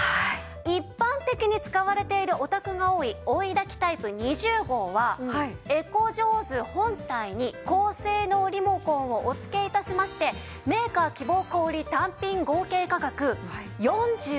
一般的に使われているお宅が多い追い焚きタイプ２０号はエコジョーズ本体に高性能リモコンをお付け致しましてメーカー希望小売単品合計価格４２万３１０円です。